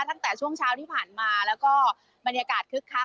ตั้งแต่ช่วงเช้าที่ผ่านมาแล้วก็บรรยากาศคึกคัก